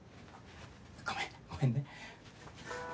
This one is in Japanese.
ごめんごめんね。